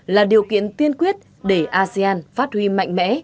là điều kiện tiên quyết để asean phát huy mạnh mẽ